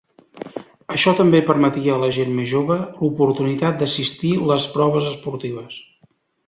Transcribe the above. Això també permetria a la gent més jove l'oportunitat d'assistir les proves esportives.